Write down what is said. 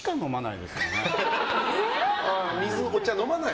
水、お茶飲まない？